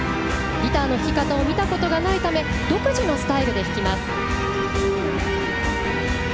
ギターの弾き方を見たことがないため独自のスタイルで弾きます。